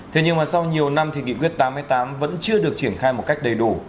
thế nhưng mà sau nhiều năm thì nghị quyết tám mươi tám vẫn chưa được triển khai một cách đầy đủ